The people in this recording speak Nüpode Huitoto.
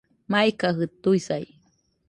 Maikajɨ tuisai